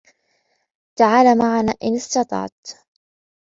تعال معنا إن استطعت.